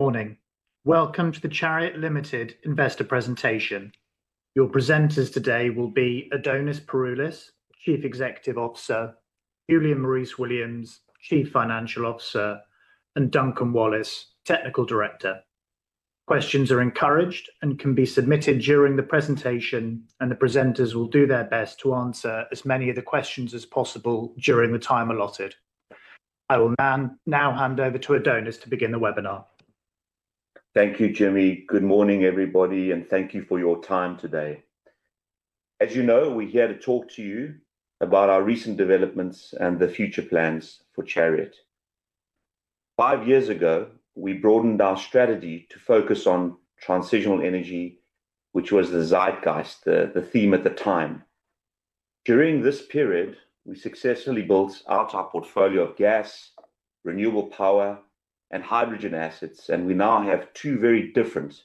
Morning. Welcome to the Chariot Ltd Investor Presentation. Your presenters today will be Adonis Pouroulis, Chief Executive Officer; Julian Maurice-Williams, Chief Financial Officer; and Duncan Wallace, Technical Director. Questions are encouraged and can be submitted during the presentation, and the presenters will do their best to answer as many of the questions as possible during the time allotted. I will now hand over to Adonis to begin the webinar. Thank you, Jimmy. Good morning, everybody, and thank you for your time today. As you know, we're here to talk to you about our recent developments and the future plans for Chariot. Five years ago, we broadened our strategy to focus on transitional energy, which was the Zeitgeist, the theme at the time. During this period, we successfully built out our portfolio of gas, renewable power, and hydrogen assets, and we now have two very different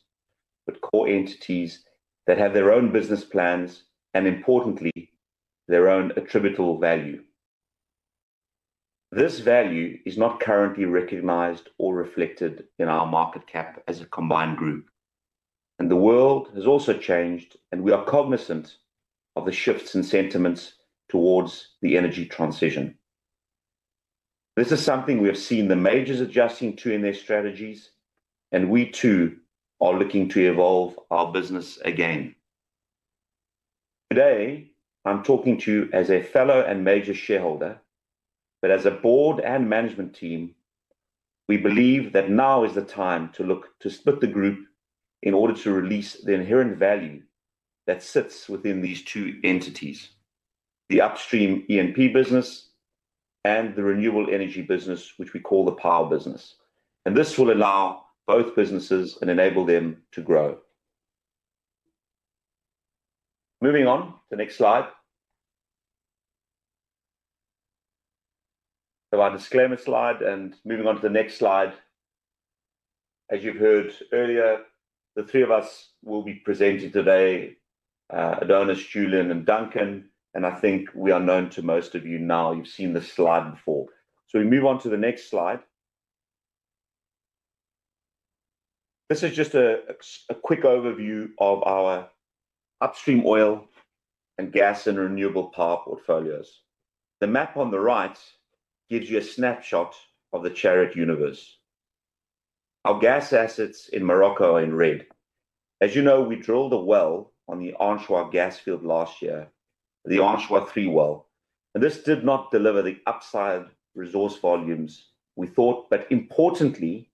but core entities that have their own business plans and, importantly, their own attributable value. This value is not currently recognized or reflected in our market cap as a combined group, and the world has also changed, and we are cognizant of the shifts in sentiments towards the energy transition. This is something we have seen the majors adjusting to in their strategies, and we, too, are looking to evolve our business again. Today, I'm talking to you as a fellow and major shareholder, but as a board and management team, we believe that now is the time to look to split the group in order to release the inherent value that sits within these two entities: the Upstream E&P business and the renewable energy business, which we call the Power Business. This will allow both businesses and enable them to grow. Moving on to the next slide. Our disclaimer slide, and moving on to the next slide. As you've heard earlier, the three of us will be presenting today: Adonis, Julian, and Duncan, and I think we are known to most of you now. You've seen this slide before. We move on to the next slide. This is just a quick overview of our Upstream Oil and Gas and Renewable Power portfolios. The map on the right gives you a snapshot of the Chariot universe. Our gas assets in Morocco are in red. As you know, we drilled a well on the Anchois gas field last year, the Anchois-3 well, and this did not deliver the upside resource volumes we thought, but importantly,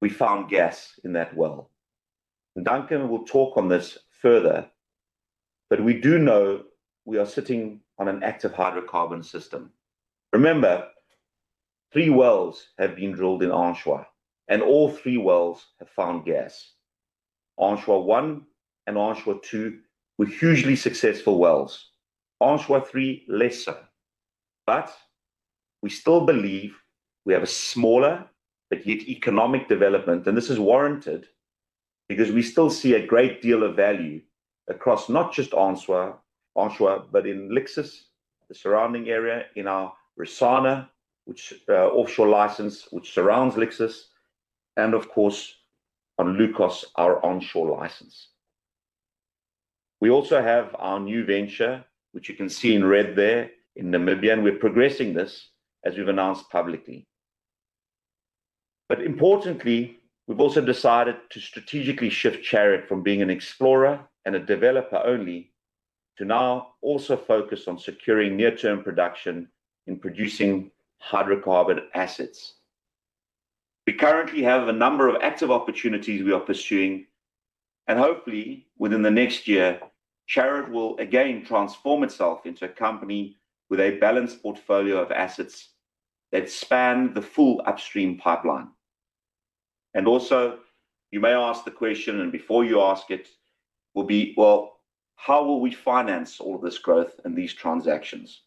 we found gas in that well. Duncan will talk on this further, but we do know we are sitting on an active hydrocarbon system. Remember, three wells have been drilled in Anchois, and all three wells have found gas. Anchois-1 and Anchois-2 were hugely successful wells. Anchois-3 less so, but we still believe we have a smaller but yet economic development, and this is warranted because we still see a great deal of value across not just Anchois, but in Lixus, the surrounding area, in our Rissana, which is an offshore license that surrounds Lixus, and of course, on Lukos, our onshore license. We also have our new venture, which you can see in red there in Namibia, and we're progressing this as we've announced publicly. Importantly, we've also decided to strategically shift Chariot from being an explorer and a developer only to now also focus on securing near-term production in producing hydrocarbon assets. We currently have a number of active opportunities we are pursuing, and hopefully, within the next year, Chariot will again transform itself into a company with a balanced portfolio of assets that span the full upstream pipeline. You may ask the question, and before you ask it, will be, how will we finance all of this growth and these transactions?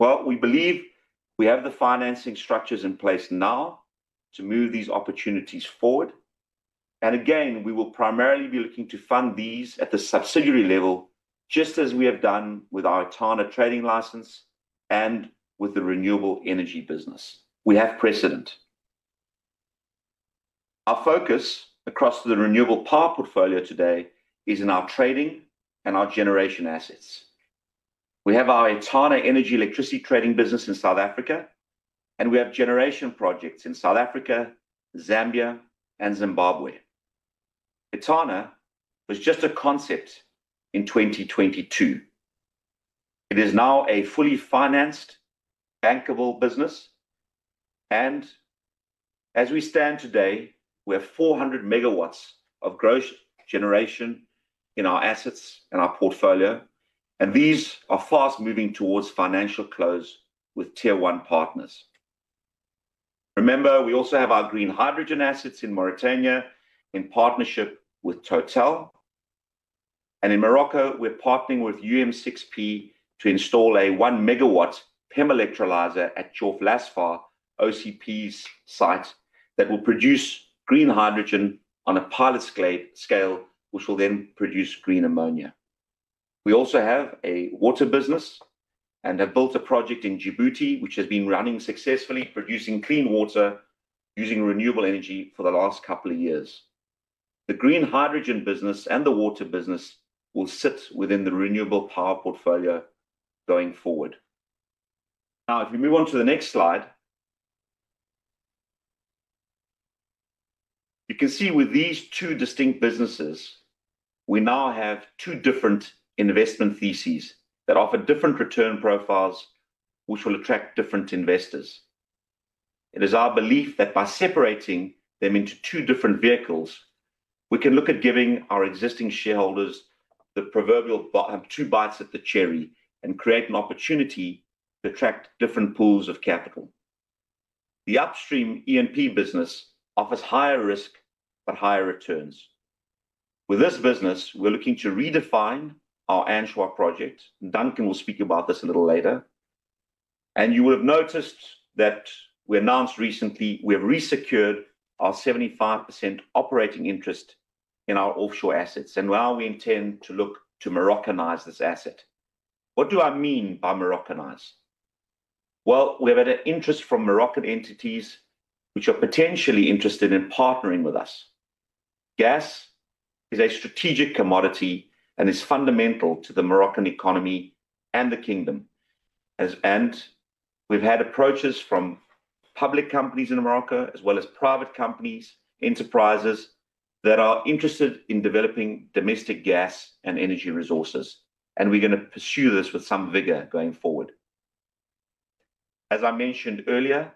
We believe we have the financing structures in place now to move these opportunities forward, and again, we will primarily be looking to fund these at the subsidiary level, just as we have done with our Etana trading license and with the renewable energy business. We have precedent. Our focus across the renewable power portfolio today is in our trading and our generation assets. We have our Etana Energy electricity trading business in South Africa, and we have generation projects in South Africa, Zambia, and Zimbabwe. Etana was just a concept in 2022. It is now a fully financed, bankable business, and as we stand today, we have 400 MW of gross generation in our assets and our portfolio, and these are fast moving towards financial close with tier one partners. Remember, we also have our green hydrogen assets in Mauritania in partnership with Total, and in Morocco, we're partnering with UM6P to install a 1 MW PEM electrolyzer at Jorf Lasfar OCP's site that will produce green hydrogen on a pilot scale, which will then produce green ammonia. We also have a water business and have built a project in Djibouti which has been running successfully, producing clean water using renewable energy for the last couple of years. The green hydrogen business and the water business will sit within the Renewable Power portfolio going forward. Now, if we move on to the next slide, you can see with these two distinct businesses, we now have two different investment theses that offer different return profiles, which will attract different investors. It is our belief that by separating them into two different vehicles, we can look at giving our existing shareholders the proverbial two bites of the cherry and create an opportunity to attract different pools of capital. The Upstream E&P business offers higher risk but higher returns. With this business, we're looking to redefine our Anchois project. Duncan will speak about this a little later. You will have noticed that we announced recently we have re-secured our 75% operating interest in our offshore assets, and now we intend to look to Moroccanize this asset. What do I mean by Moroccanize? We have had interest from Moroccan entities which are potentially interested in partnering with us. Gas is a strategic commodity and is fundamental to the Moroccan economy and the kingdom, and we've had approaches from public companies in Morocco as well as private companies, enterprises that are interested in developing domestic gas and energy resources, and we're going to pursue this with some vigor going forward. As I mentioned earlier,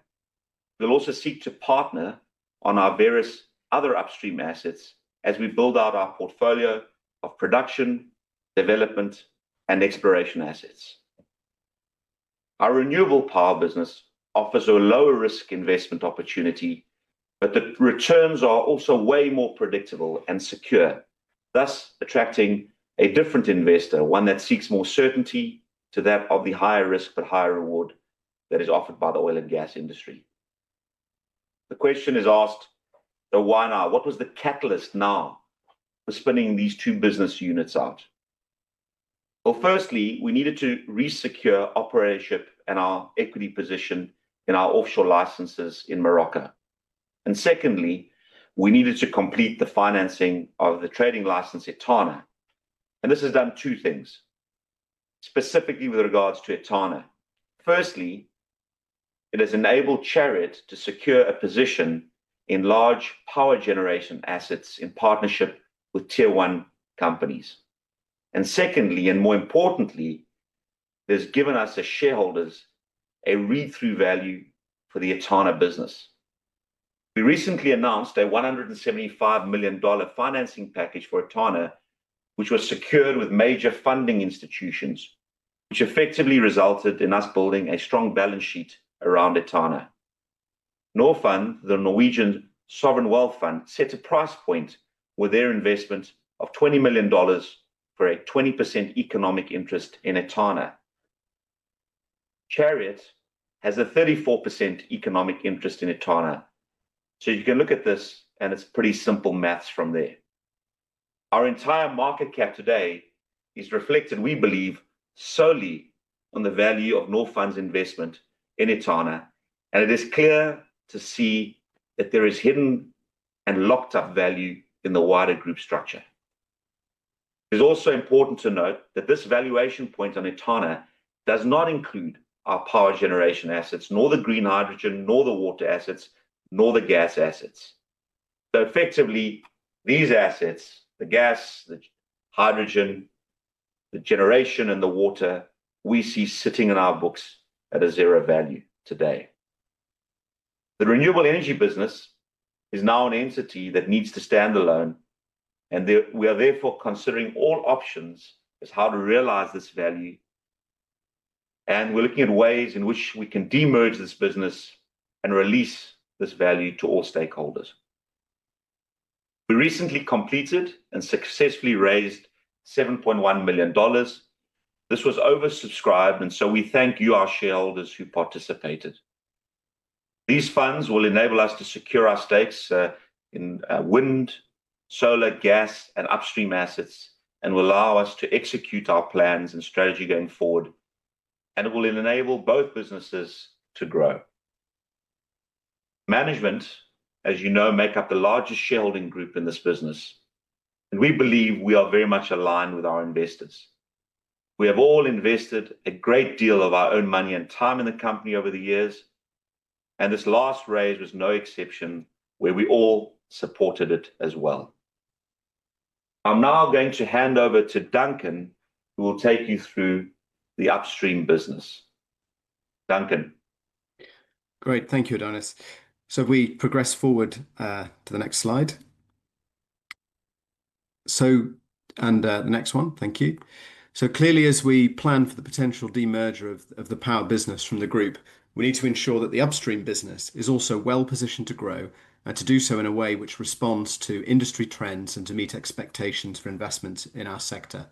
we'll also seek to partner on our various other upstream assets as we build out our portfolio of production, development, and exploration assets. Our renewable power business offers a lower-risk investment opportunity, but the returns are also way more predictable and secure, thus attracting a different investor, one that seeks more certainty to that of the higher risk but higher reward that is offered by the oil and gas industry. The question is asked, so why now? What was the catalyst now for spinning these two business units out? Firstly, we needed to re-secure operatorship and our equity position in our offshore licenses in Morocco. Secondly, we needed to complete the financing of the trading license Etana, and this has done two things, specifically with regards to Etana. Firstly, it has enabled Chariot to secure a position in large power generation assets in partnership with tier-one companies. Secondly, and more importantly, it has given us as shareholders a read-through value for the Etana business. We recently announced a $175 million financing package for Etana, which was secured with major funding institutions, which effectively resulted in us building a strong balance sheet around Etana. Norfund, the Norwegian sovereign wealth fund, set a price point with their investment of $20 million for a 20% economic interest in Etana. Chariot has a 34% economic interest in Etana, so you can look at this and it's pretty simple maths from there. Our entire market cap today is reflected, we believe, solely on the value of Norfund's investment in Etana, and it is clear to see that there is hidden and locked-up value in the wider group structure. It is also important to note that this valuation point on Etana does not include our power generation assets, nor the green hydrogen, nor the water assets, nor the gas assets. Effectively, these assets, the gas, the hydrogen, the generation, and the water we see sitting in our books at a zero value today. The renewable energy business is now an entity that needs to stand alone, and we are therefore considering all options as how to realize this value, and we're looking at ways in which we can de-emerge this business and release this value to all stakeholders. We recently completed and successfully raised $7.1 million. This was oversubscribed, and so we thank you, our shareholders, who participated. These funds will enable us to secure our stakes in wind, solar, gas, and upstream assets, and will allow us to execute our plans and strategy going forward, and it will enable both businesses to grow. Management, as you know, makes up the largest shareholding group in this business, and we believe we are very much aligned with our investors. We have all invested a great deal of our own money and time in the company over the years, and this last raise was no exception where we all supported it as well. I'm now going to hand over to Duncan, who will take you through the Upstream Business. Duncan. Great.Thank you, Adonis. If we progress forward to the next slide. And the next one, thank you. Clearly, as we plan for the potential de-merger of the power business from the group, we need to ensure that the Upstream Business is also well positioned to grow and to do so in a way which responds to industry trends and to meet expectations for investment in our sector.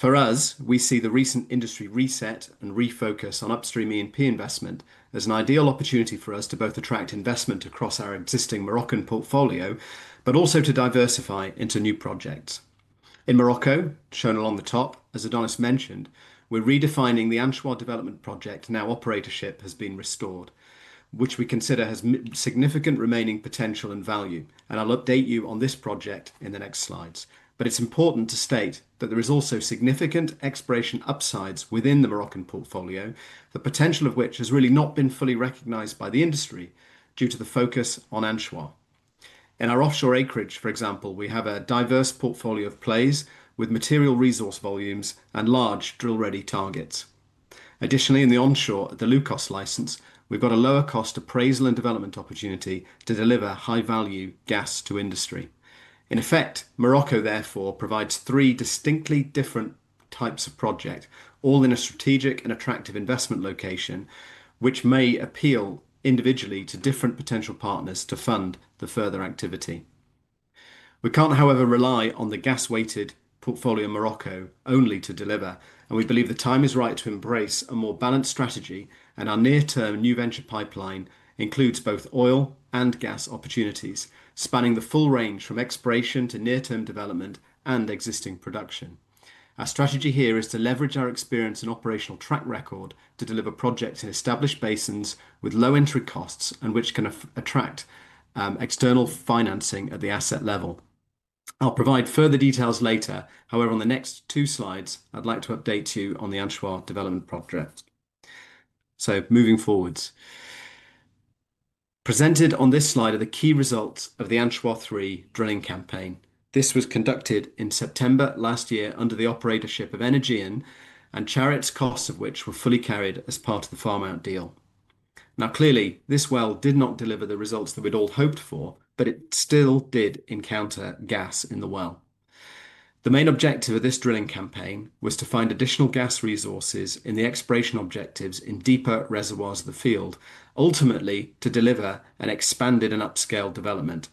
For us, we see the recent industry reset and refocus on Upstream E&P investment as an ideal opportunity for us to both attract investment across our existing Moroccan portfolio, but also to diversify into new projects. In Morocco, shown along the top, as Adonis mentioned, we're redefining the Anchois Development project, and now operatorship has been restored, which we consider has significant remaining potential and value, and I'll update you on this project in the next slides. It is important to state that there are also significant exploration upsides within the Moroccan portfolio, the potential of which has really not been fully recognized by the industry due to the focus on Anchois. In our offshore acreage, for example, we have a diverse portfolio of plays with material resource volumes and large drill-ready targets. Additionally, in the onshore, at the Lukos license, we've got a lower-cost appraisal and development opportunity to deliver high-value gas to industry. In effect, Morocco therefore provides three distinctly different types of projects, all in a strategic and attractive investment location, which may appeal individually to different potential partners to fund the further activity. We can't, however, rely on the gas-weighted portfolio in Morocco only to deliver, and we believe the time is right to embrace a more balanced strategy, and our near-term new venture pipeline includes both oil and gas opportunities, spanning the full range from exploration to near-term development and existing production. Our strategy here is to leverage our experience and operational track record to deliver projects in established basins with low entry costs and which can attract external financing at the asset level. I'll provide further details later. However, on the next two slides, I'd like to update you on the Anchois development project. Moving forward, presented on this slide are the key results of the Anchois-3 drilling campaign. This was conducted in September last year under the operatorship of Energean, and Chariot's costs of which were fully carried as part of the farm-out deal. Now, clearly, this well did not deliver the results that we'd all hoped for, but it still did encounter gas in the well. The main objective of this drilling campaign was to find additional gas resources in the exploration objectives in deeper reservoirs of the field, ultimately to deliver an expanded and upscaled development.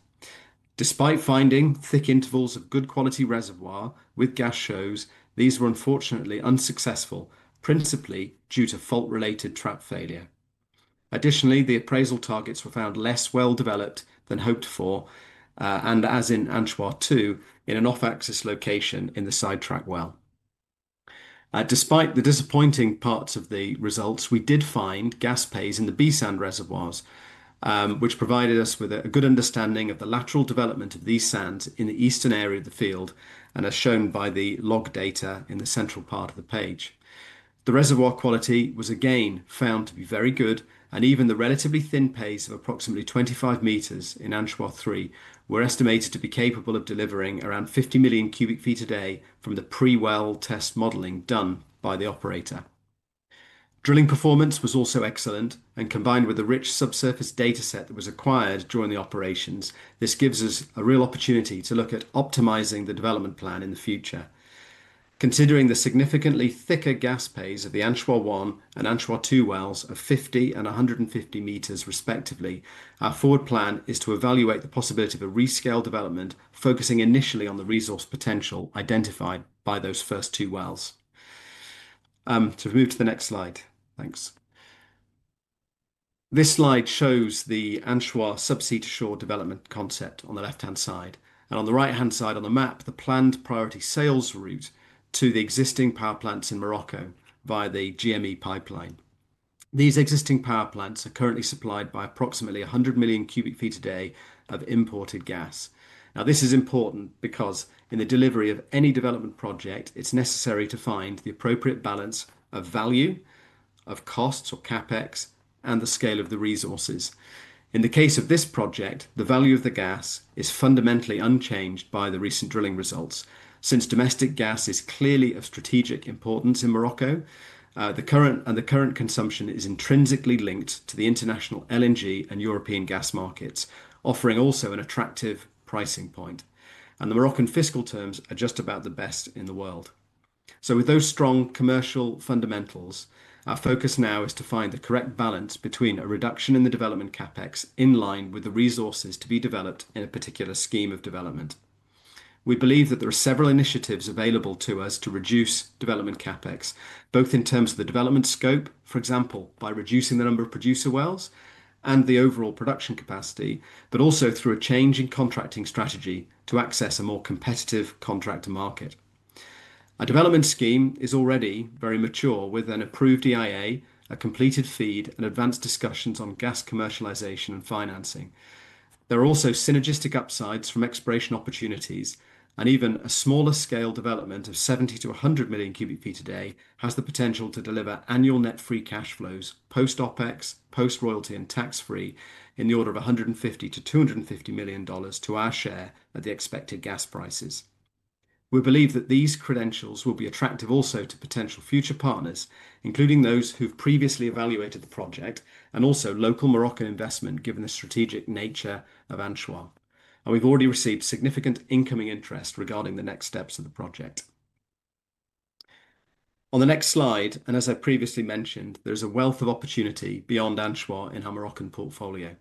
Despite finding thick intervals of good quality reservoir with gas shows, these were unfortunately unsuccessful, principally due to fault-related trap failure. Additionally, the appraisal targets were found less well developed than hoped for, and as in Anchois-2, in an off-axis location in the side track well. Despite the disappointing parts of the results, we did find gas pays in the B sand reservoirs, which provided us with a good understanding of the lateral development of these sands in the eastern area of the field, and as shown by the log data in the central part of the page. The reservoir quality was again found to be very good, and even the relatively thin pays of approximately 25 meters in Anchois-3 were estimated to be capable of delivering around 50 million cu ft a day from the pre-well test modeling done by the operator. Drilling performance was also excellent, and combined with the rich subsurface data set that was acquired during the operations, this gives us a real opportunity to look at optimizing the development plan in the future. Considering the significantly thicker gas pays of the Anchois-1 and Anchois-2 wells of 50 and 150 meters respectively, our forward plan is to evaluate the possibility of a rescale development focusing initially on the resource potential identified by those first two wells. We move to the next slide. Thanks. This slide shows the Anchois subsea-to-shore development concept on the left-hand side, and on the right-hand side on the map, the planned priority sales route to the existing power plants in Morocco via the GME Pipeline. These existing power plants are currently supplied by approximately 100 million cu ft a day of imported gas. Now, this is important because in the delivery of any development project, it's necessary to find the appropriate balance of value, of costs or CapEx, and the scale of the resources. In the case of this project, the value of the gas is fundamentally unchanged by the recent drilling results. Since domestic gas is clearly of strategic importance in Morocco, the current and the current consumption is intrinsically linked to the international LNG and European Gas Markets, offering also an attractive pricing point, and the Moroccan fiscal terms are just about the best in the world. With those strong commercial fundamentals, our focus now is to find the correct balance between a reduction in the development CapEx in line with the resources to be developed in a particular scheme of development. We believe that there are several initiatives available to us to reduce development CapEx, both in terms of the development scope, for example, by reducing the number of producer wells and the overall production capacity, but also through a change in contracting strategy to access a more competitive contractor market. Our development scheme is already very mature with an approved EIA, a completed FEED, and advanced discussions on gas commercialization and financing. There are also synergistic upsides from exploration opportunities, and even a smaller scale development of 70-100 million cu ft a day has the potential to deliver annual net free cash flows post-OPEX, post-royalty, and tax-free in the order of $150 million-$250 million to our share at the expected gas prices. We believe that these credentials will be attractive also to potential future partners, including those who've previously evaluated the project and also local Moroccan investment given the strategic nature of Anchois. We've already received significant incoming interest regarding the next steps of the project. On the next slide, and as I previously mentioned, there is a wealth of opportunity beyond Anchois in our Moroccan portfolio.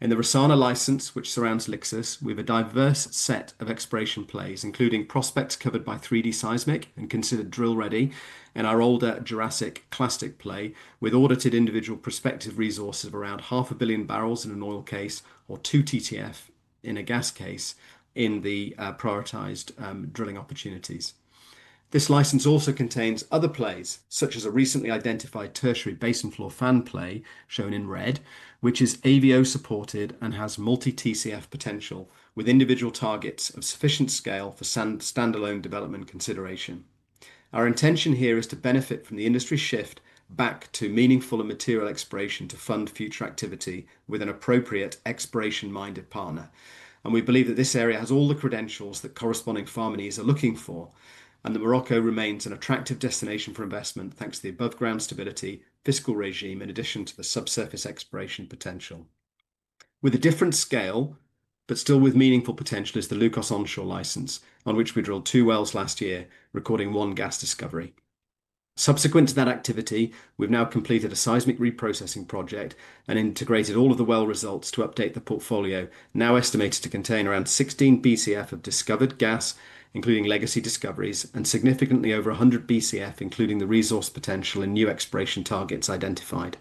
In the Rissana license, which surrounds Lixus, we have a diverse set of exploration plays, including prospects covered by 3D seismic and considered drill-ready in our older Jurassic classic play, with audited individual prospective resources of around 500 million bbl in an oil case or 2 TCF in a gas case in the prioritized drilling opportunities. This license also contains other plays, such as a recently identified tertiary basin floor fan play shown in red, which is AVO supported and has multi-TCF potential with individual targets of sufficient scale for standalone development consideration. Our intention here is to benefit from the industry shift back to meaningful and material exploration to fund future activity with an appropriate exploration-minded partner. We believe that this area has all the credentials that corresponding farming is looking for, and that Morocco remains an attractive destination for investment thanks to the above-ground stability fiscal regime in addition to the subsurface exploration potential. With a different scale, but still with meaningful potential, is the Lukos onshore license, on which we drilled two wells last year, recording one gas discovery. Subsequent to that activity, we've now completed a seismic reprocessing project and integrated all of the well results to update the portfolio, now estimated to contain around 16 BCF of discovered gas, including legacy discoveries, and significantly over 100 BCF, including the resource potential and new exploration targets identified.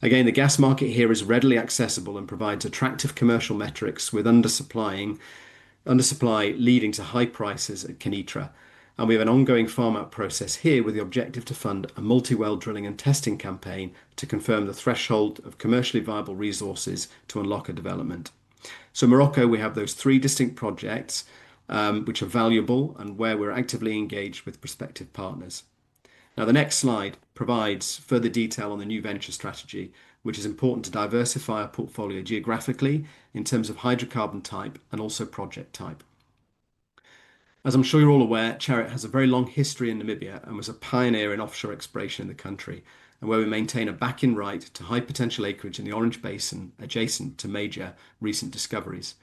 The gas market here is readily accessible and provides attractive commercial metrics with undersupply leading to high prices at Kenitra. We have an ongoing farm-out process here with the objective to fund a multi-well drilling and testing campaign to confirm the threshold of commercially viable resources to unlock a development. In Morocco, we have those three distinct projects, which are valuable and where we're actively engaged with prospective partners. The next slide provides further detail on the new venture strategy, which is important to diversify our portfolio geographically in terms of hydrocarbon type and also project type. As I'm sure you're all aware, Chariot has a very long history in Namibia and was a pioneer in offshore exploration in the country, and where we maintain a back-in-right to high potential acreage in the Orange Basin adjacent to major recent discoveries.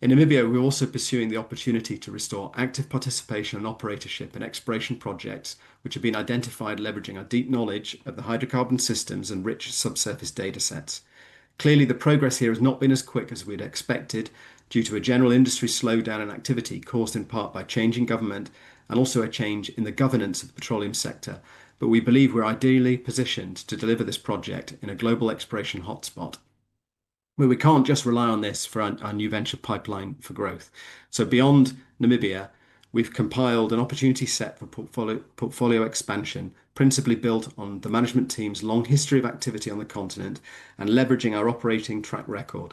In Namibia, we're also pursuing the opportunity to restore active participation and operatorship in exploration projects, which have been identified leveraging our deep knowledge of the hydrocarbon systems and rich subsurface data sets. Clearly, the progress here has not been as quick as we'd expected due to a general industry slowdown in activity caused in part by changing government and also a change in the governance of the petroleum sector, but we believe we're ideally positioned to deliver this project in a global exploration hotspot. We can't just rely on this for our new venture pipeline for growth. Beyond Namibia, we've compiled an opportunity set for portfolio expansion, principally built on the management team's long history of activity on the continent and leveraging our operating track record.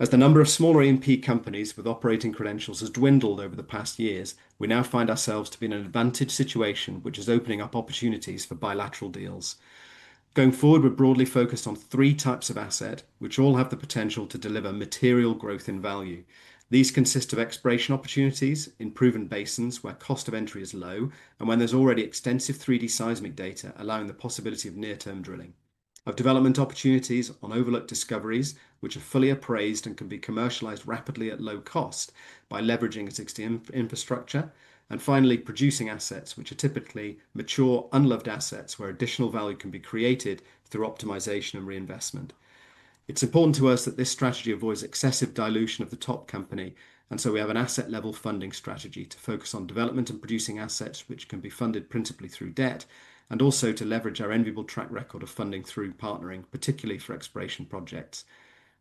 As the number of smaller E&P companies with operating credentials has dwindled over the past years, we now find ourselves to be in an advantage situation, which is opening up opportunities for bilateral deals. Going forward, we're broadly focused on three types of asset, which all have the potential to deliver material growth in value. These consist of exploration opportunities in proven basins where cost of entry is low and when there's already extensive 3D seismic data allowing the possibility of near-term drilling. Of development opportunities on overlooked discoveries, which are fully appraised and can be commercialized rapidly at low cost by leveraging existing infrastructure, and finally producing assets, which are typically mature, unloved assets where additional value can be created through optimization and reinvestment. It's important to us that this strategy avoids excessive dilution of the top company, and so we have an asset-level funding strategy to focus on development and producing assets, which can be funded principally through debt, and also to leverage our enviable track record of funding through partnering, particularly for exploration projects.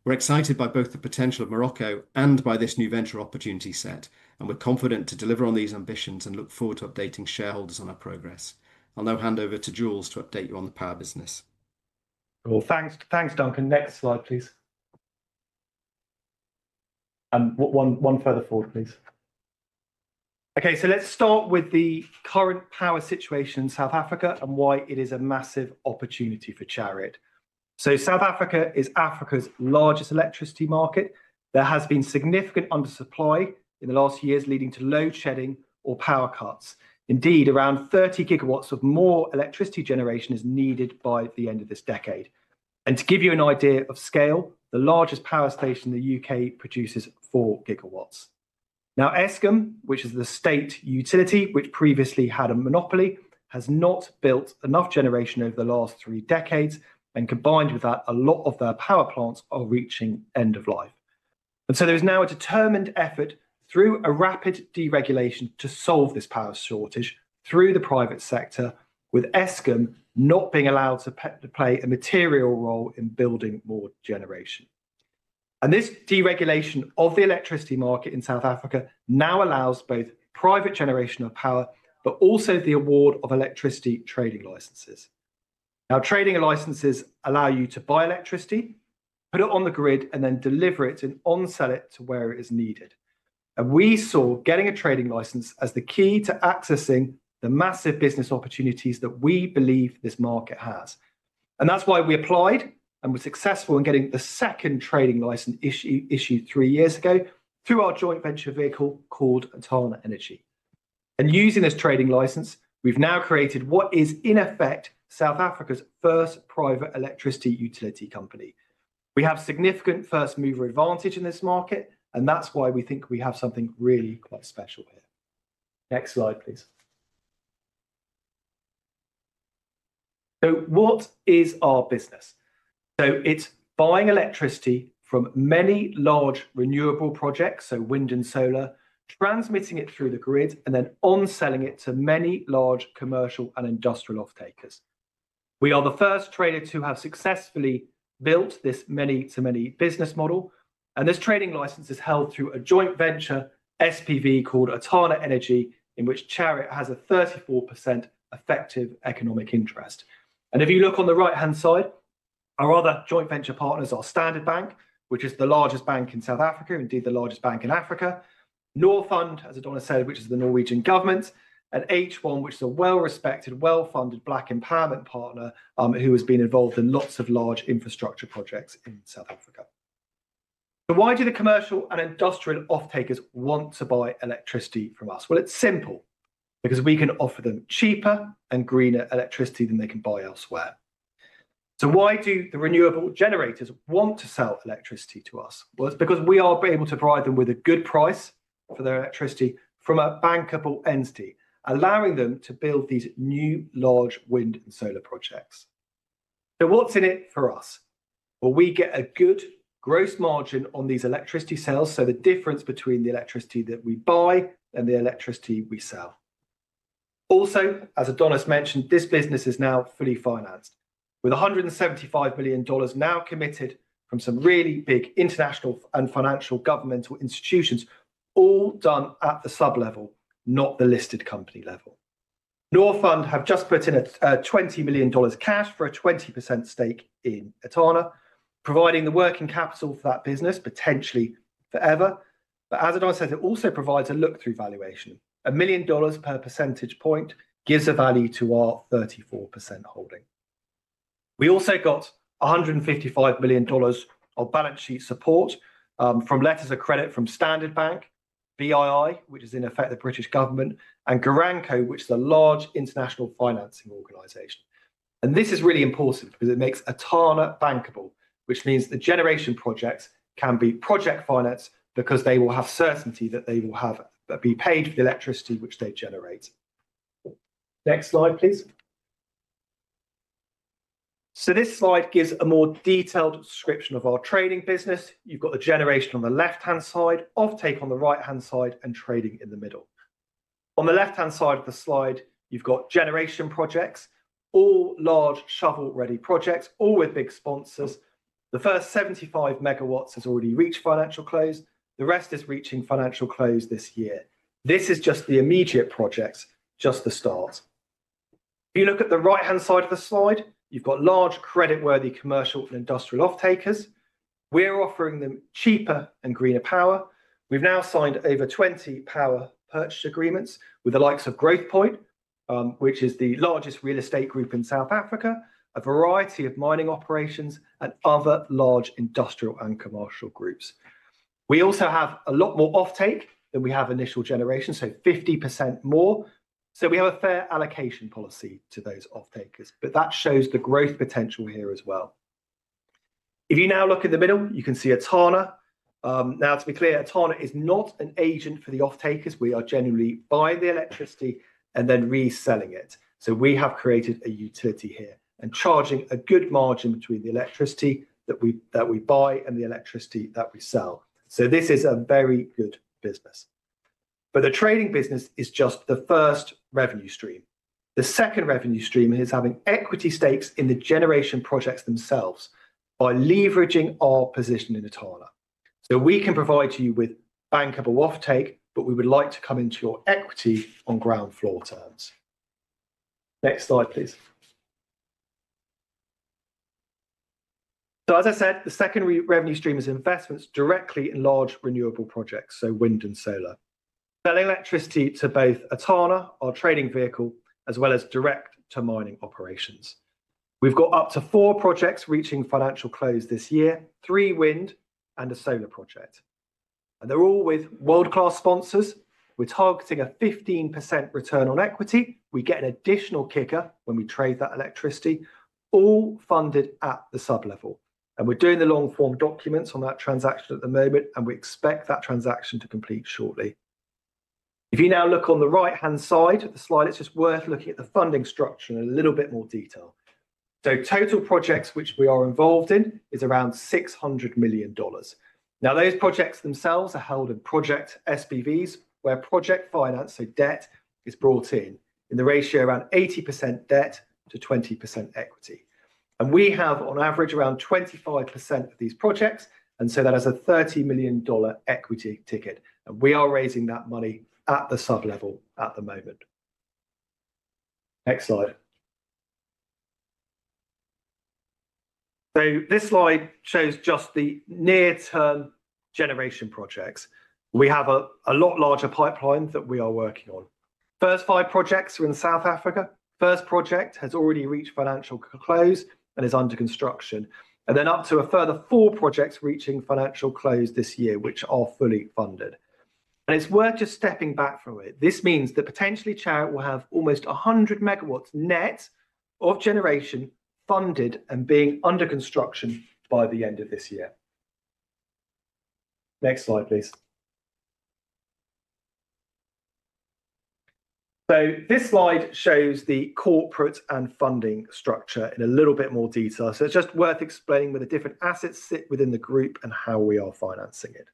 We're excited by both the potential of Morocco and by this new venture opportunity set, and we're confident to deliver on these ambitions and look forward to updating shareholders on our progress. I'll now hand over to Jules to update you on the power business. Cool. Thanks, Duncan. Next slide, please. And one further forward, please. Okay, let's start with the current power situation in South Africa and why it is a massive opportunity for Chariot. South Africa is Africa's largest electricity market. There has been significant undersupply in the last years leading to load shedding or power cuts. Indeed, around 30 GW of more electricity generation is needed by the end of this decade. To give you an idea of scale, the largest power station in the U.K. produces 4 GW. Now, Eskom, which is the state utility which previously had a monopoly, has not built enough generation over the last three decades, and combined with that, a lot of their power plants are reaching end of life. There is now a determined effort through a rapid deregulation to solve this power shortage through the private sector, with Eskom not being allowed to play a material role in building more generation. This deregulation of the electricity market in South Africa now allows both private generation of power, but also the award of electricity trading licenses. Trading licenses allow you to buy electricity, put it on the grid, and then deliver it and onsell it to where it is needed. We saw getting a trading license as the key to accessing the massive business opportunities that we believe this market has. That is why we applied and were successful in getting the second trading license issued three years ago through our joint venture vehicle called Etana Energy. Using this trading license, we've now created what is in effect South Africa's first private electricity utility company. We have significant first mover advantage in this market, and that's why we think we have something really quite special here. Next slide, please. What is our business? It's buying electricity from many large renewable projects, so wind and solar, transmitting it through the grid, and then onselling it to many large commercial and industrial off-takers. We are the first traders to have successfully built this many-to-many business model, and this trading license is held through a joint venture SPV called Etana Energy, in which Chariot has a 34% effective economic interest. If you look on the right-hand side, our other joint venture partners are Standard Bank, which is the largest bank in South Africa, indeed the largest bank in Africa, Norfund, as Adonis said, which is the Norwegian government, and H1, which is a well-respected, well-funded black empowerment partner who has been involved in lots of large infrastructure projects in South Africa. Why do the commercial and industrial off-takers want to buy electricity from us? It's simple, because we can offer them cheaper and greener electricity than they can buy elsewhere. Why do the renewable generators want to sell electricity to us? It's because we are able to provide them with a good price for their electricity from a bankable entity, allowing them to build these new large wind and solar projects. What's in it for us? We get a good gross margin on these electricity sales, so the difference between the electricity that we buy and the electricity we sell. Also, as Adonis has mentioned, this business is now fully financed, with $175 million now committed from some really big international and financial governmental institutions, all done at the sub-level, not the listed company level. Norfund have just put in $20 million cash for a 20% stake in Etana, providing the working capital for that business potentially forever. As Adonis said, it also provides a look-through valuation. A million dollars per percentage point gives a value to our 34% holding. We also got $155 million of balance sheet support from letters of credit from Standard Bank, BII, which is in effect the British government, and GuarantCo, which is a large international financing organization. This is really important because it makes Etana bankable, which means the generation projects can be project financed because they will have certainty that they will be paid for the electricity which they generate. Next slide, please. This slide gives a more detailed description of our trading business. You have got the generation on the left-hand side, off-take on the right-hand side, and trading in the middle. On the left-hand side of the slide, you have got generation projects, all large shovel-ready projects, all with big sponsors. The first 75 MW has already reached financial close. The rest is reaching financial close this year. This is just the immediate projects, just the start. If you look at the right-hand side of the slide, you have got large credit-worthy commercial and industrial off-takers. We are offering them cheaper and greener power. We've now signed over 20 power purchase agreements with the likes of Growthpoint, which is the largest real estate group in South Africa, a variety of mining operations, and other large industrial and commercial groups. We also have a lot more off-take than we have initial generation, so 50% more. We have a fair allocation policy to those off-takers, but that shows the growth potential here as well. If you now look in the middle, you can see Etana. Now, to be clear, Etana is not an agent for the off-takers. We are generally buying the electricity and then reselling it. We have created a utility here and are charging a good margin between the electricity that we buy and the electricity that we sell. This is a very good business. The trading business is just the first revenue stream. The second revenue stream is having equity stakes in the generation projects themselves by leveraging our position in Etana. We can provide you with bankable off-take, but we would like to come into your equity on ground floor terms. Next slide, please. As I said, the second revenue stream is investments directly in large renewable projects, wind and solar. Selling electricity to both Etana, our trading vehicle, as well as direct to mining operations. We have up to four projects reaching financial close this year, three wind and a solar project. They are all with world-class sponsors. We are targeting a 15% return on equity. We get an additional kicker when we trade that electricity, all funded at the sub-level. We are doing the long-form documents on that transaction at the moment, and we expect that transaction to complete shortly. If you now look on the right-hand side of the slide, it's just worth looking at the funding structure in a little bit more detail. Total projects which we are involved in is around $600 million. Now, those projects themselves are held in project SPVs where project finance, so debt, is brought in in the ratio around 80% debt to 20% equity. We have on average around 25% of these projects, and so that is a $30 million equity ticket. We are raising that money at the sub-level at the moment. Next slide. This slide shows just the near-term generation projects. We have a lot larger pipeline that we are working on. First five projects are in South Africa. First project has already reached financial close and is under construction. Up to a further four projects reaching financial close this year, which are fully funded. It is worth just stepping back from it. This means that potentially Chariot will have almost 100 MW net of generation funded and being under construction by the end of this year. Next slide, please. This slide shows the corporate and funding structure in a little bit more detail. It is just worth explaining where the different assets sit within the group and how we are financing it.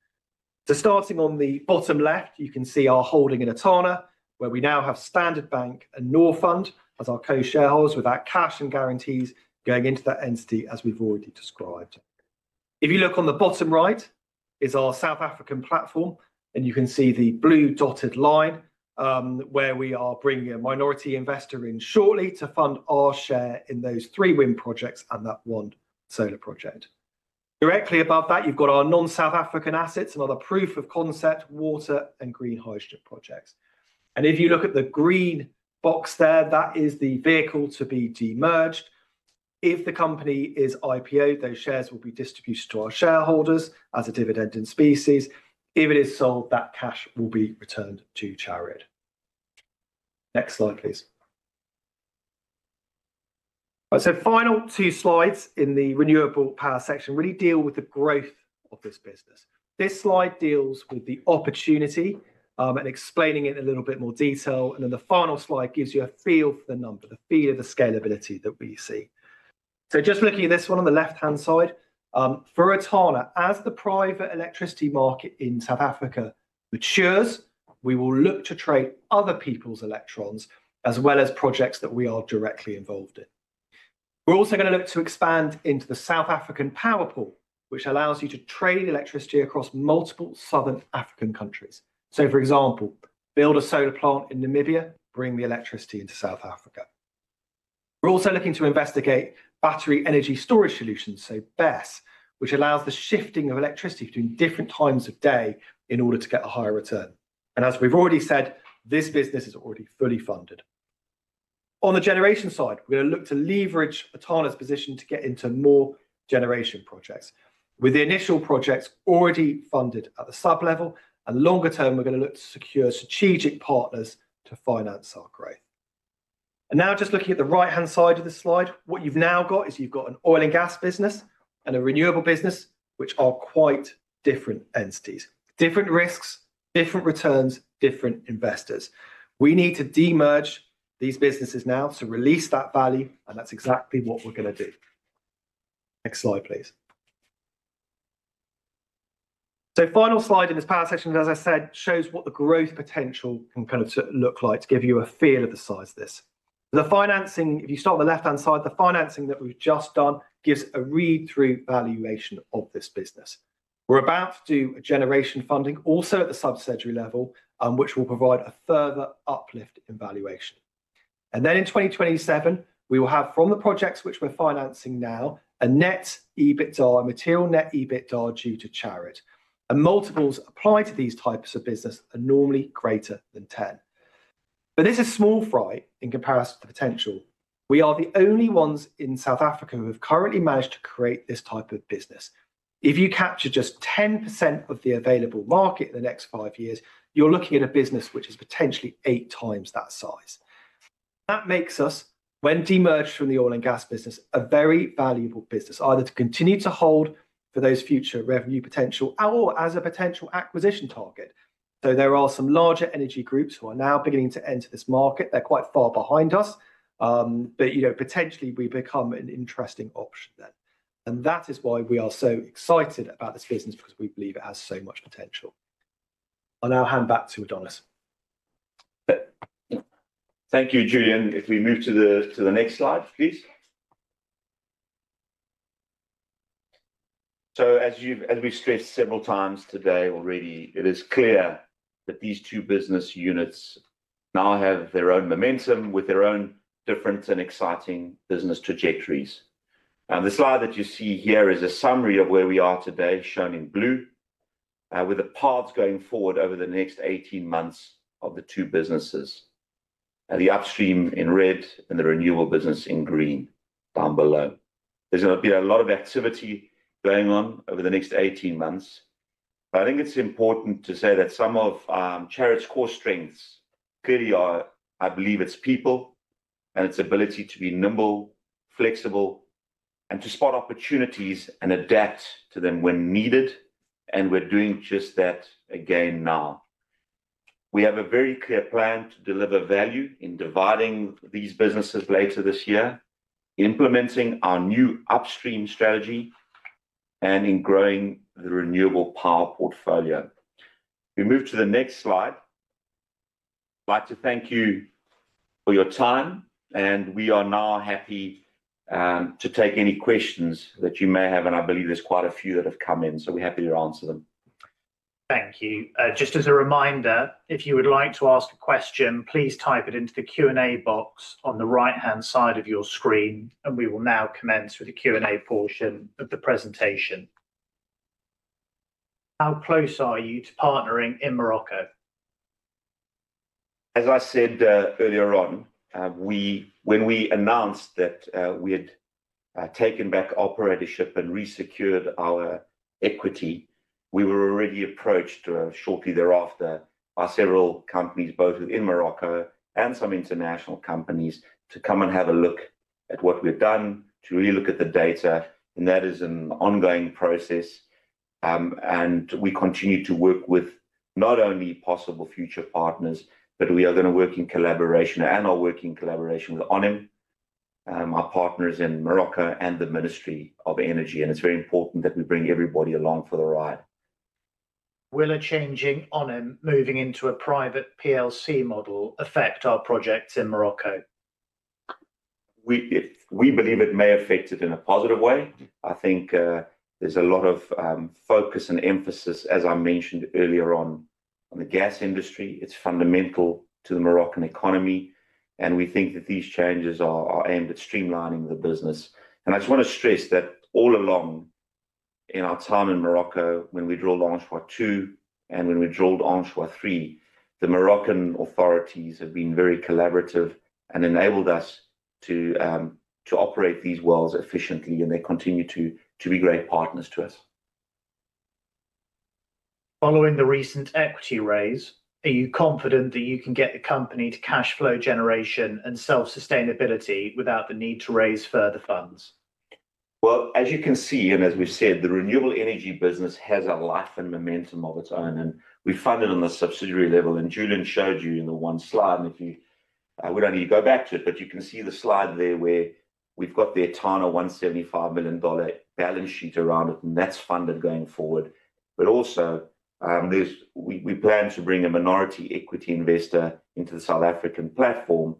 Starting on the bottom left, you can see our holding in Etana, where we now have Standard Bank and Norfund as our co-shareholders with our cash and guarantees going into that entity as we have already described. If you look on the bottom right, it's our South African platform, and you can see the blue dotted line where we are bringing a minority investor in shortly to fund our share in those three wind projects and that one solar project. Directly above that, you've got our non-South African assets and other proof of concept water and green hydrogen projects. If you look at the green box there, that is the vehicle to be demerged. If the company is IPO, those shares will be distributed to our shareholders as a dividend in species. If it is sold, that cash will be returned to Chariot. Next slide, please. The final two slides in the renewable power section really deal with the growth of this business. This slide deals with the opportunity and explaining it in a little bit more detail. The final slide gives you a feel for the number, the feel of the scalability that we see. Just looking at this one on the left-hand side, for Etana, as the private electricity market in South Africa matures, we will look to trade other people's electrons as well as projects that we are directly involved in. We are also going to look to expand into the South African Power Pool, which allows you to trade electricity across multiple Southern African countries. For example, build a solar plant in Namibia, bring the electricity into South Africa. We are also looking to investigate battery energy storage solutions, so BESS, which allows the shifting of electricity between different times of day in order to get a higher return. As we have already said, this business is already fully funded. On the generation side, we're going to look to leverage Etana's position to get into more generation projects, with the initial projects already funded at the sub-level. Longer term, we're going to look to secure strategic partners to finance our growth. Now just looking at the right-hand side of the slide, what you've now got is you've got an oil and gas business and a renewable business, which are quite different entities. Different risks, different returns, different investors. We need to demerge these businesses now to release that value, and that's exactly what we're going to do. Next slide, please. The final slide in this power section, as I said, shows what the growth potential can kind of look like to give you a feel of the size of this. The financing, if you start on the left-hand side, the financing that we've just done gives a read-through valuation of this business. We're about to do a generation funding also at the subsidiary level, which will provide a further uplift in valuation. In 2027, we will have from the projects which we're financing now, a net EBITDA, a material net EBITDA due to Chariot. Multiples applied to these types of business are normally greater than 10. This is small fry in comparison to the potential. We are the only ones in South Africa who have currently managed to create this type of business. If you capture just 10% of the available market in the next five years, you're looking at a business which is potentially eight times that size. That makes us, when demerged from the oil and gas business, a very valuable business, either to continue to hold for those future revenue potential or as a potential acquisition target. There are some larger energy groups who are now beginning to enter this market. They're quite far behind us, but you know potentially we become an interesting option then. That is why we are so excited about this business, because we believe it has so much potential. I'll now hand back to Adonis. Thank you, Julian. If we move to the next slide, please. As we've stressed several times today already, it is clear that these two business units now have their own momentum with their own different and exciting business trajectories. The slide that you see here is a summary of where we are today, shown in blue, with the paths going forward over the next 18 months of the two businesses. The Upstream in red and the Renewable Business in green down below. There is going to be a lot of activity going on over the next 18 months. I think it is important to say that some of Chariot's core strengths clearly are, I believe, its people and its ability to be nimble, flexible, and to spot opportunities and adapt to them when needed. We are doing just that again now. We have a very clear plan to deliver value in dividing these businesses later this year, implementing our new upstream strategy, and in growing the renewable power portfolio. We move to the next slide. I'd like to thank you for your time, and we are now happy to take any questions that you may have. I believe there's quite a few that have come in, so we're happy to answer them. Thank you. Just as a reminder, if you would like to ask a question, please type it into the Q&A box on the right-hand side of your screen, and we will now commence with the Q&A portion of the presentation. How close are you to partnering in Morocco? As I said earlier on, when we announced that we had taken back operatorship and resecured our equity, we were already approached shortly thereafter by several companies, both within Morocco and some international companies, to come and have a look at what we've done, to really look at the data. That is an ongoing process. We continue to work with not only possible future partners, but we are going to work in collaboration and are working in collaboration with ONHYM, our partners in Morocco, and the Ministry of Energy. It is very important that we bring everybody along for the ride. Will a changing ONHYM moving into a private PLC model affect our projects in Morocco? We believe it may affect it in a positive way. I think there is a lot of focus and emphasis, as I mentioned earlier, on the gas industry. It is fundamental to the Moroccan economy. We think that these changes are aimed at streamlining the business. I just want to stress that all along in our time in Morocco, when we drove onto Anchois-2 and when we drove onto Anchois-3, the Moroccan authorities have been very collaborative and enabled us to operate these wells efficiently. They continue to be great partners to us. Following the recent equity raise, are you confident that you can get the company to cash flow generation and self-sustainability without the need to raise further funds? As you can see, and as we have said, the renewable energy business has a life and momentum of its own. We funded on the subsidiary level, and Julian showed you in the one slide. If you would only go back to it, you can see the slide there where we have got the Etana $175 million balance sheet around it, and that is funded going forward. We also plan to bring a minority equity investor into the South African platform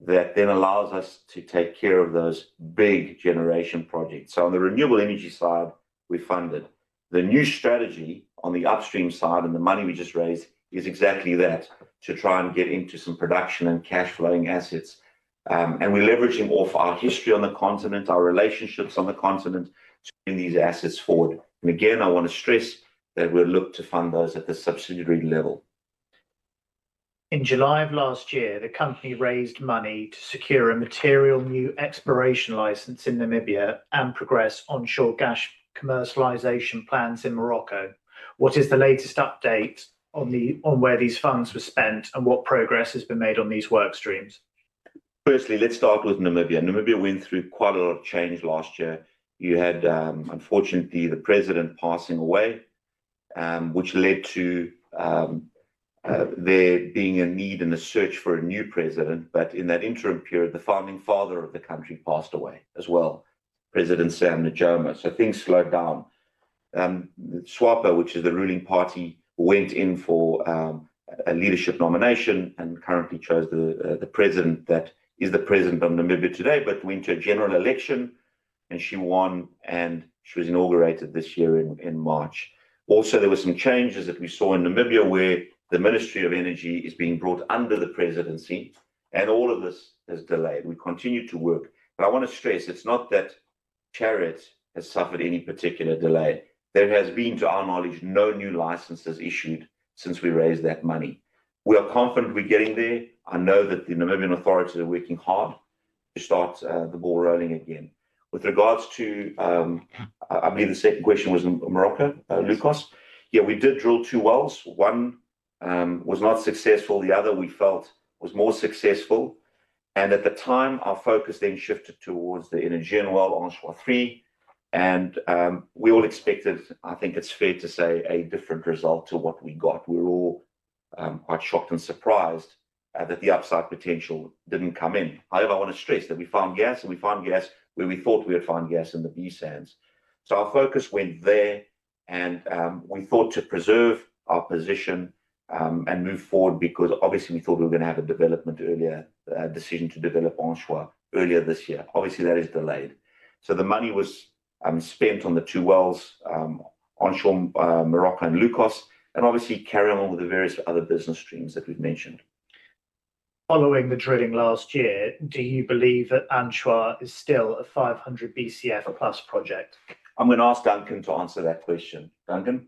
that then allows us to take care of those big generation projects. On the renewable energy side, we funded. The new strategy on the upstream side and the money we just raised is exactly that, to try and get into some production and cash flowing assets. We're leveraging off our history on the continent, our relationships on the continent to bring these assets forward. I want to stress that we'll look to fund those at the subsidiary level. In July of last year, the company raised money to secure a material new exploration license in Namibia and progress onshore gas commercialization plans in Morocco. What is the latest update on where these funds were spent and what progress has been made on these work streams? Firstly, let's start with Namibia. Namibia went through quite a lot of change last year. You had, unfortunately, the president passing away, which led to there being a need and a search for a new president. In that interim period, the founding father of the country passed away as well, President Sam Nujoma. Things slowed down. SWAPO, which is the ruling party, went in for a leadership nomination and currently chose the president that is the president of Namibia today, but went to a general election, and she won, and she was inaugurated this year in March. Also, there were some changes that we saw in Namibia where the Ministry of Energy is being brought under the presidency, and all of this has delayed. We continue to work. I want to stress, it's not that Chariot has suffered any particular delay. There has been, to our knowledge, no new licenses issued since we raised that money. We are confident we're getting there. I know that the Namibian authorities are working hard to start the ball rolling again. With regards to, I believe the second question was Morocco, Lukos. Yeah, we did drill two wells. One was not successful. The other we felt was more successful. At the time, our focus then shifted towards the Energean well Anchois-3. We all expected, I think it is fair to say, a different result to what we got. We were all quite shocked and surprised that the upside potential did not come in. However, I want to stress that we found gas, and we found gas where we thought we had found gas in the B Sands. Our focus went there, and we thought to preserve our position and move forward because obviously we thought we were going to have a development earlier, a decision to develop Anchois earlier this year. Obviously, that is delayed. The money was spent on the two wells Anchois Morocco and Lukos, and obviously carrying on with the various other business streams that we've mentioned. Following the drilling last year, do you believe that Anchois is still a 500 BCF plus project? I'm going to ask Duncan to answer that question. Duncan?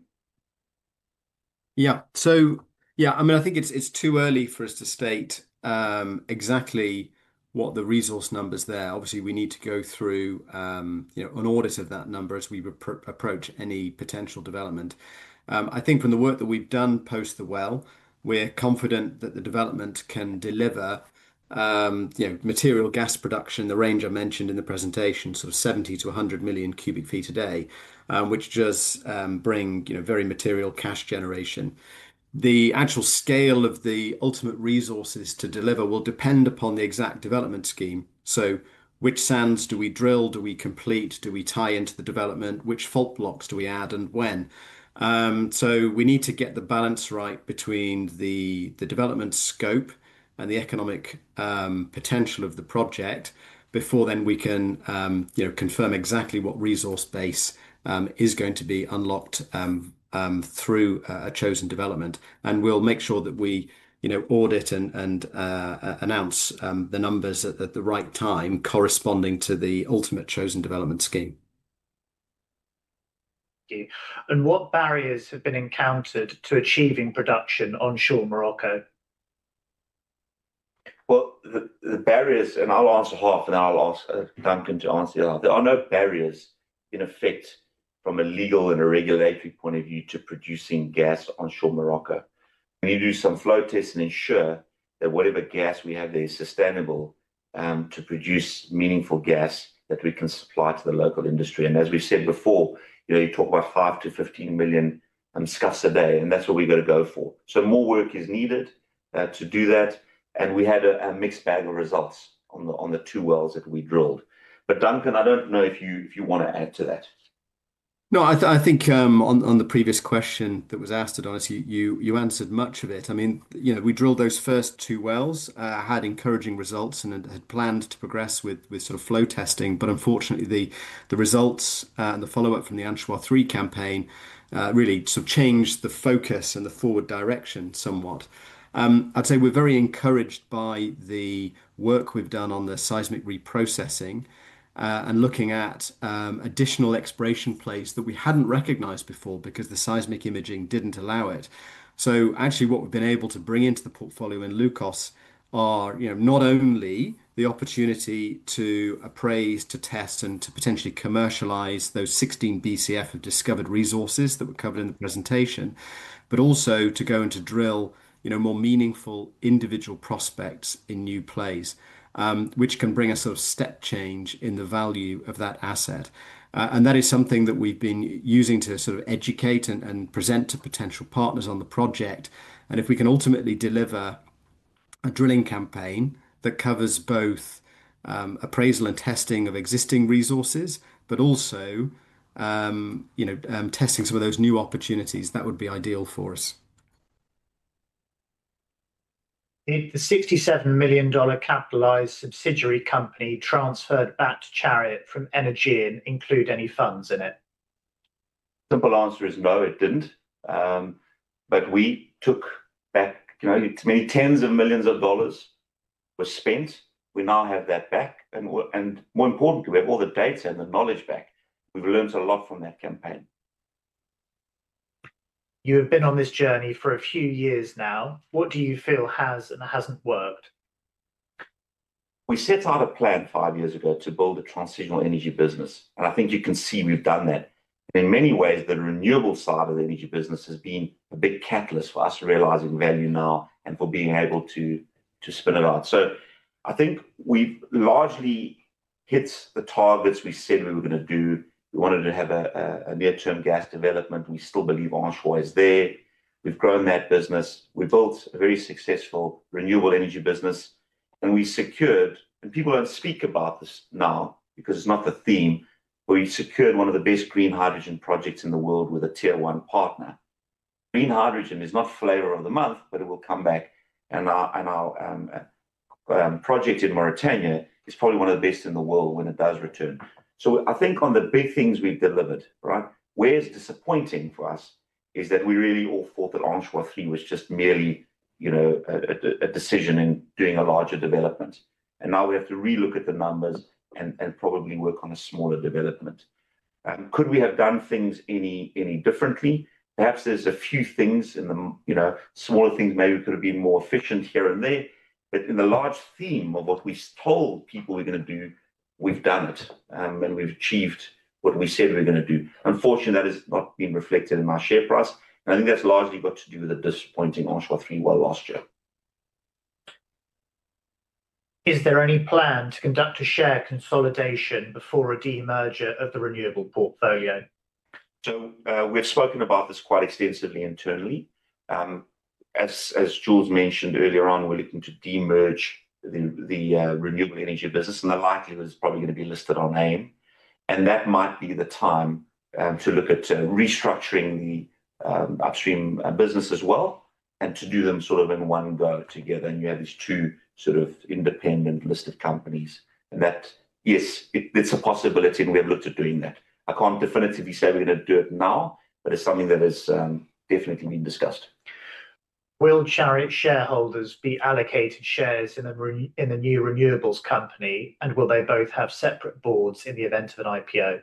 Yeah. So yeah, I mean, I think it's too early for us to state exactly what the resource number is there. Obviously, we need to go through an audit of that number as we approach any potential development. I think from the work that we've done post the well, we're confident that the development can deliver material gas production, the range I mentioned in the presentation, sort of 70-100 million cu ft a day, which does bring very material cash generation. The actual scale of the ultimate resources to deliver will depend upon the exact development scheme. Which sands do we drill? Do we complete? Do we tie into the development? Which fault blocks do we add and when? We need to get the balance right between the development scope and the economic potential of the project before we can confirm exactly what resource base is going to be unlocked through a chosen development. We will make sure that we audit and announce the numbers at the right time corresponding to the ultimate chosen development scheme. What barriers have been encountered to achieving production onshore Morocco? The barriers, and I'll answer half, and I'll ask Duncan to answer the other half. There are no barriers in effect from a legal and a regulatory point of view to producing gas onshore Morocco. We need to do some flow tests and ensure that whatever gas we have there is sustainable to produce meaningful gas that we can supply to the local industry. As we said before, you talk about 5-15 million scf a day, and that's what we've got to go for. More work is needed to do that. We had a mixed bag of results on the two wells that we drilled. Duncan, I do not know if you want to add to that. No, I think on the previous question that was asked, Adonis, you answered much of it. I mean, we drilled those first two wells, had encouraging results, and had planned to progress with sort of flow testing. Unfortunately, the results and the follow-up from the Anchois-3 campaign really sort of changed the focus and the forward direction somewhat. I'd say we're very encouraged by the work we've done on the seismic reprocessing and looking at additional exploration plays that we hadn't recognized before because the seismic imaging didn't allow it. Actually, what we've been able to bring into the portfolio in Lukos are not only the opportunity to appraise, to test, and to potentially commercialize those 16 BCF of discovered resources that were covered in the presentation, but also to go and to drill more meaningful individual prospects in new plays, which can bring a sort of step change in the value of that asset. That is something that we've been using to sort of educate and present to potential partners on the project. If we can ultimately deliver a drilling campaign that covers both appraisal and testing of existing resources, but also testing some of those new opportunities, that would be ideal for us. Did the $67 million capitalized subsidiary company transferred back to Chariot from Energean include any funds in it? Simple answer is no, it did not. I mean, tens of millions of dollars were spent. We now have that back. More importantly, we have all the data and the knowledge back. We have learned a lot from that campaign. You have been on this journey for a few years now. What do you feel has and has not worked? We set out a plan five years ago to build a transitional energy business. I think you can see we have done that. In many ways, the renewable side of the energy business has been a big catalyst for us realizing value now and for being able to spin it out. I think we have largely hit the targets we said we were going to do. We wanted to have a near-term gas development. We still believe Anchois is there. We've grown that business. We built a very successful renewable energy business. We secured, and people do not speak about this now because it's not the theme, but we secured one of the best green hydrogen projects in the world with a tier one partner. Green hydrogen is not flavor of the month, but it will come back. Our project in Mauritania is probably one of the best in the world when it does return. I think on the big things we've delivered, right, where it's disappointing for us is that we really all thought that Anchois-3 was just merely a decision in doing a larger development. Now we have to relook at the numbers and probably work on a smaller development. Could we have done things any differently? Perhaps there's a few things in the smaller things maybe could have been more efficient here and there. In the large theme of what we told people we're going to do, we've done it. We've achieved what we said we're going to do. Unfortunately, that has not been reflected in our share price. I think that's largely got to do with the disappointing Anchois-3 well last year. Is there any plan to conduct a share consolidation before a de-merger of the renewable portfolio? We've spoken about this quite extensively internally. As Jules mentioned earlier on, we're looking to de-merge the renewable energy business. The likelihood is probably going to be listed on AIM. That might be the time to look at restructuring the upstream business as well and to do them sort of in one go together. You have these two sort of independent listed companies. Yes, it's a possibility, and we have looked at doing that. I can't definitively say we're going to do it now, but it's something that has definitely been discussed. Will Chariot shareholders be allocated shares in the new renewables company, and will they both have separate boards in the event of an IPO?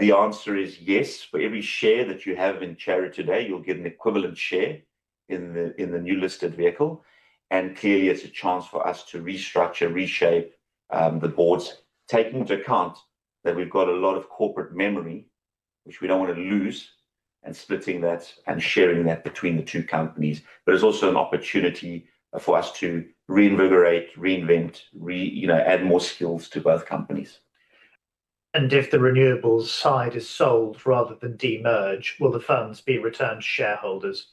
The answer is yes. For every share that you have in Chariot today, you'll get an equivalent share in the new listed vehicle. Clearly, it's a chance for us to restructure, reshape the boards, taking into account that we've got a lot of corporate memory, which we don't want to lose, and splitting that and sharing that between the two companies. It's also an opportunity for us to reinvigorate, reinvent, add more skills to both companies. If the renewables side is sold rather than de-merged, will the funds be returned to shareholders?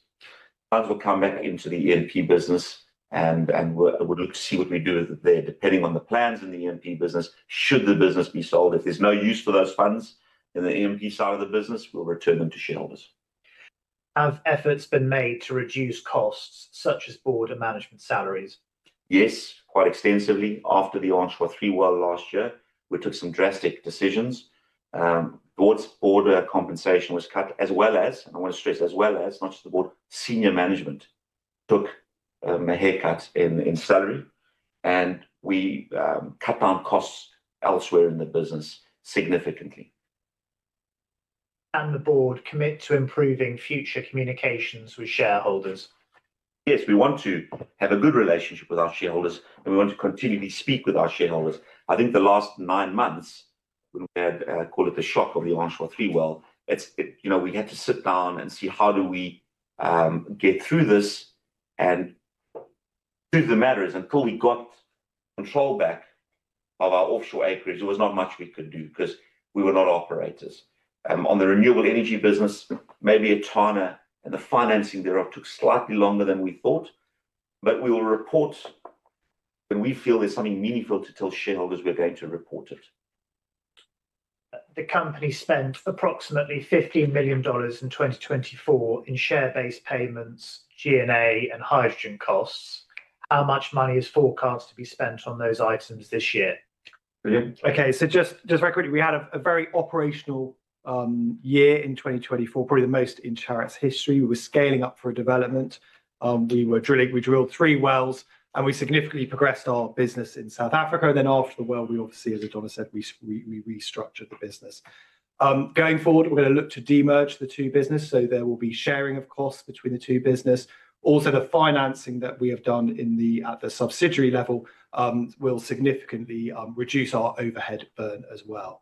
Funds will come back into the E&P business, and we'll look to see what we do with it there, depending on the plans in the E&P business. Should the business be sold, if there's no use for those funds in the E&P side of the business, we'll return them to shareholders. Have efforts been made to reduce costs such as board and management salaries? Yes, quite extensively. After the Anchois-3 well last year, we took some drastic decisions. Board compensation was cut, as well as, and I want to stress, as well as, not just the board, senior management took a haircut in salary. We cut down costs elsewhere in the business significantly. Can the board commit to improving future communications with shareholders? Yes, we want to have a good relationship with our shareholders, and we want to continually speak with our shareholders. I think the last nine months, when we had, call it the shock of the Anchois-3 well, we had to sit down and see how do we get through this and do the matters. Until we got control back of our offshore acreage, there was not much we could do because we were not operators. On the renewable energy business, maybe Etana, and the financing thereof took slightly longer than we thought. We will report when we feel there's something meaningful to tell shareholders we're going to report it. The company spent approximately $15 million in 2024 in share-based payments, G&A, and hydrogen costs. How much money is forecast to be spent on those items this year? Okay, so just very quickly, we had a very operational year in 2024, probably the most in Chariot's history. We were scaling up for a development. We drilled three wells, and we significantly progressed our business in South Africa. After the well, we obviously, as Adonis said, we restructured the business. Going forward, we're going to look to de-merge the two businesses. There will be sharing, of course, between the two businesses. Also, the financing that we have done at the subsidiary level will significantly reduce our overhead burn as well.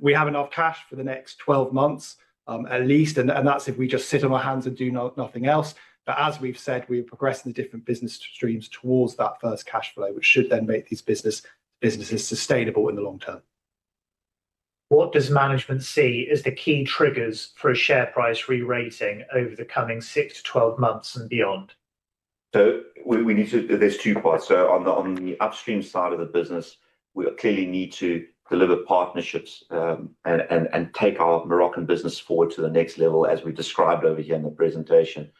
We have enough cash for the next 12 months, at least, and that's if we just sit on our hands and do nothing else. As we've said, we are progressing the different business streams towards that first cash flow, which should then make these businesses sustainable in the long term. What does management see as the key triggers for a share price re-rating over the coming 6-12 months and beyond? There are two parts. On the upstream side of the business, we clearly need to deliver partnerships and take our Moroccan business forward to the next level, as we described over here in the presentation.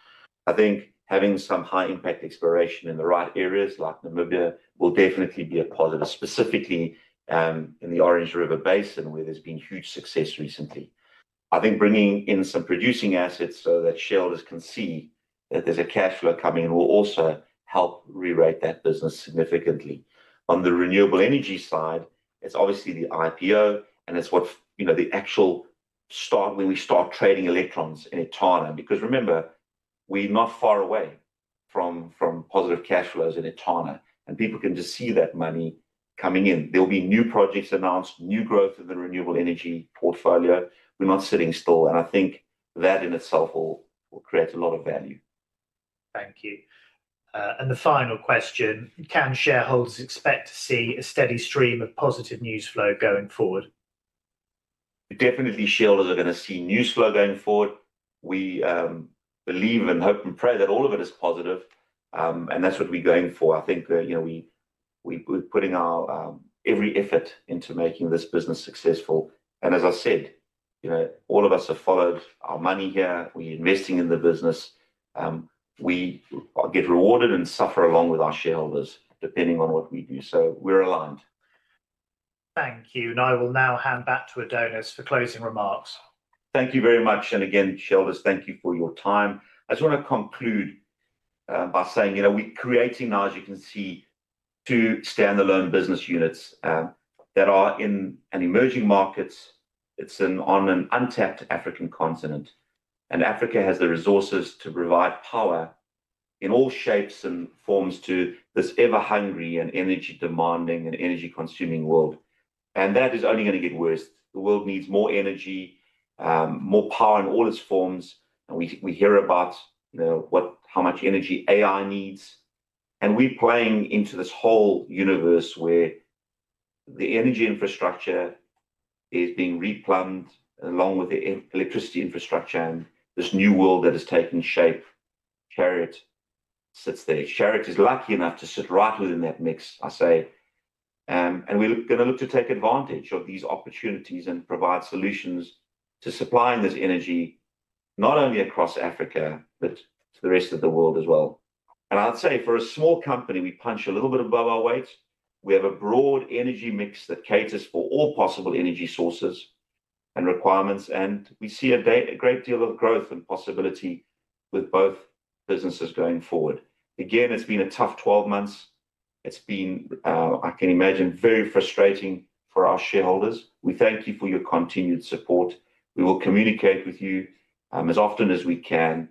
I think having some high-impact exploration in the right areas, like Namibia, will definitely be a positive, specifically in the Orange Basin, where there has been huge success recently. I think bringing in some producing assets so that shareholders can see that there is a cash flow coming in will also help re-rate that business significantly. On the renewable energy side, it is obviously the IPO, and it is the actual start when we start trading electrons in Etana. Because remember, we are not far away from positive cash flows in Etana. People can just see that money coming in. There will be new projects announced, new growth in the renewable energy portfolio. We are not sitting still. I think that in itself will create a lot of value. Thank you. The final question, can shareholders expect to see a steady stream of positive news flow going forward? Definitely, shareholders are going to see news flow going forward. We believe and hope and pray that all of it is positive. That is what we are going for. I think we are putting our every effort into making this business successful. As I said, all of us have followed our money here. We are investing in the business. We get rewarded and suffer along with our shareholders, depending on what we do. We are aligned. Thank you. I will now hand back to Adonis for closing remarks. Thank you very much. Again, shareholders, thank you for your time. I just want to conclude by saying we're creating, as you can see, two standalone business units that are in an emerging market. It is on an untapped African continent. Africa has the resources to provide power in all shapes and forms to this ever-hungry and energy-demanding and energy-consuming world. That is only going to get worse. The world needs more energy, more power in all its forms. We hear about how much energy AI needs. We are playing into this whole universe where the energy infrastructure is being replumbed along with the electricity infrastructure and this new world that is taking shape. Chariot sits there. Chariot is lucky enough to sit right within that mix, I say. We are going to look to take advantage of these opportunities and provide solutions to supplying this energy, not only across Africa, but to the rest of the world as well. I would say for a small company, we punch a little bit above our weight. We have a broad energy mix that caters for all possible energy sources and requirements. We see a great deal of growth and possibility with both businesses going forward. It has been a tough 12 months. It has been, I can imagine, very frustrating for our shareholders. We thank you for your continued support. We will communicate with you as often as we can.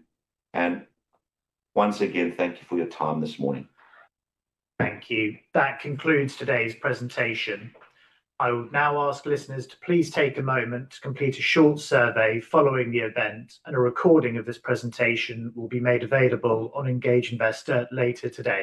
Once again, thank you for your time this morning. Thank you. That concludes today's presentation. I will now ask listeners to please take a moment to complete a short survey following the event. A recording of this presentation will be made available on Engage Investor later today.